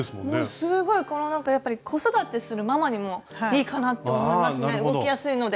すごいやっぱり子育てするママにもいいかなと思いますね動きやすいので。